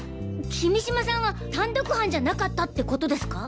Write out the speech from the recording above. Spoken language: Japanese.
君島さんは単独犯じゃなかったってことですか？